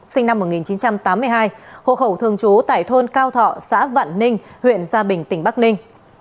sinh năm một nghìn chín trăm tám mươi hai hộ khẩu thường trú tại thôn cao thọ xã vạn ninh huyện gia bình tỉnh bắc ninh